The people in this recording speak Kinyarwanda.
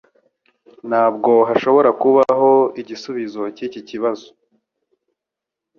Ntabwo hashobora kubaho igisubizo cyiki kibazo.